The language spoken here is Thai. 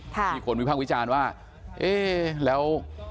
ที่คนมีภาควิจารณ์ว่าเอ๊ะแล้ว